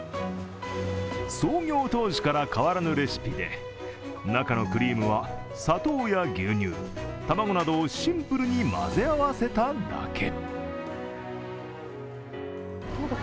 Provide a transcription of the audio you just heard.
創業当時から変わらぬレシピで中のクリームは、砂糖や牛乳、卵などをシンプルに混ぜ合わせただけ。